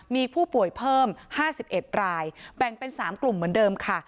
มีผู้ป่วยเพิ่ม๕๑รายแบ่งเป็น๓กลุ่มเหมือนเดิมค่ะ